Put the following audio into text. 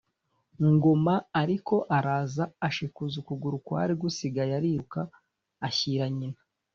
Ngoma ariko araza ashikuza ukuguru kwari gusigaye ariruka, ashyira nyina.